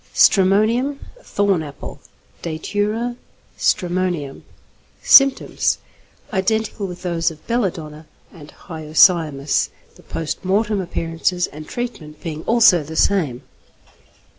_ =Stramonium= (Thorn Apple). Datura stramonium. Symptoms. Identical with those of belladonna and hyoscyamus, the post mortem appearances and treatment being also the same.